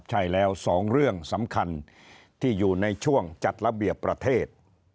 ใช่แล้วสองเรื่องสำคัญที่อยู่ในช่วงจัดระเบียบประเทศ